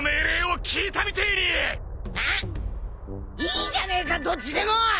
いいじゃねえかどっちでも！